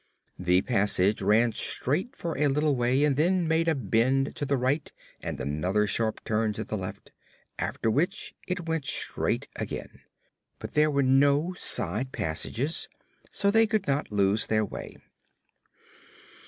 The passage ran straight for a little way and then made a bend to the right and another sharp turn to the left, after which it went straight again. But there were no side passages, so they could not lose their way.